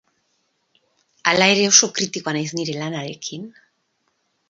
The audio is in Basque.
Hala ere, oso kritikoa naiz nire lanarekin.